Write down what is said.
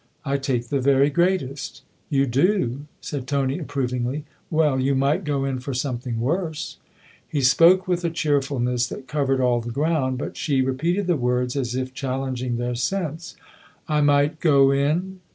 I take the very greatest." " You do ?" said Tony approvingly. " Well, you might go in for something worse !" He spoke with a cheerfulness that covered all the ground ; but she repeated the words as if challenging their sense. " I might ' go in